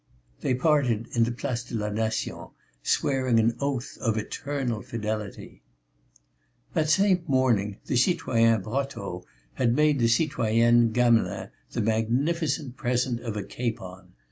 They parted in the Place de la Nation, swearing an oath of eternal fidelity. That same morning early the citoyen Brotteaux had made the citoyenne Gamelin the magnificent present of a capon.